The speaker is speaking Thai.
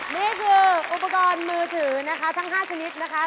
นี่คืออุปกรณ์มือถือนะคะทั้ง๕ชนิดนะคะ